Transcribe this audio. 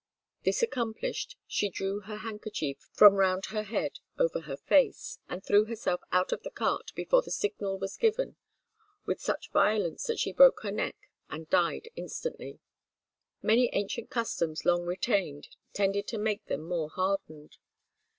This accomplished, she drew her handkerchief from round her head over her face, and threw herself out of the cart before the signal was given with such violence that she broke her neck and died instantly. Many ancient customs long retained tended to make them more hardened.